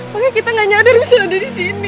makanya kita gak nyadar bisa ada di sini